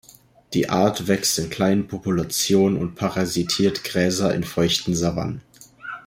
Die Art wächst in kleinen Populationen und parasitiert Gräser in feuchten Savannen.